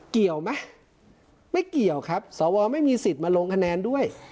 เกี่ยวไหมไม่เกี่ยวครับสวไม่มีสิทธิ์มาลงคะแนนด้วย